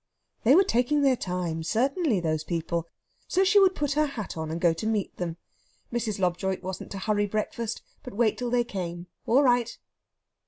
They were taking their time, certainly, those people; so she would put her hat on and go to meet them. Mrs. Lobjoit wasn't to hurry breakfast, but wait till they came. All right!